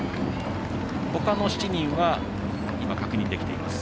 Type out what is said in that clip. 他の７人は今、確認できています。